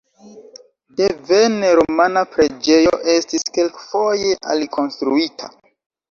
Devene romana preĝejo estis kelkfoje alikonstruita.